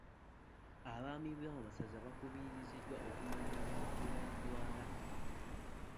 Abaami b'amasaza baakubiriziddwa okumanya abantu be batwala.